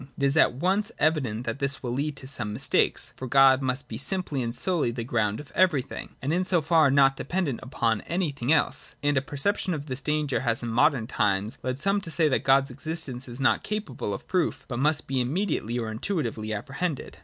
It is at once evident that this will lead to some mistake: for God must be simply and solely the ground of everything, and in so far not dependent upon anything else. And a perception of this danger has in modern times led some to say that God's existence is not capable of proof, but must be immediately or intuitively ap prehended.